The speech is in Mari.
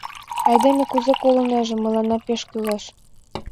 Айдеме кузе колынеже — мыланна пеш кӱлеш!